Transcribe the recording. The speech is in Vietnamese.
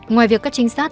ngoài việc các trinh sát